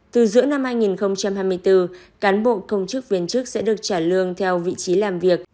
từ giữa năm hai nghìn hai mươi bốn cán bộ công chức viên chức sẽ được trả lương theo vị trí làm việc